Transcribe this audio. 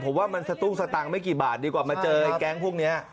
ผมว่ามันสตุ้งสตังค์ไม่กี่บาทดีกว่ามาเจอไอ้แก๊งพวกนี้